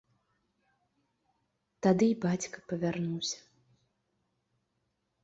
Тады і бацька павярнуўся.